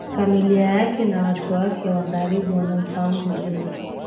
Familia yake na watu wake wa karibu wanamfahamu vizuri